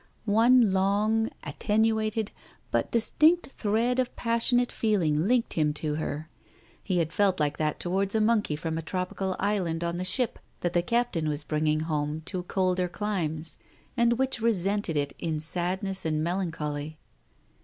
One long, attenuated, but distinct thread of pas sionate feeling linked him to her. ... He had felt like that towards a monkey from a Jropical island on the ship that the captain was bringing home to colder climes, and which resented it in sadness and melancholy.